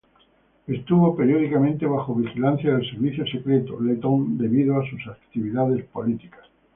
Estuvo periódicamente bajo vigilancia del servicio secreto letón debido a sus actividades políticas.